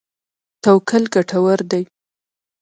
توکل ګټور دی.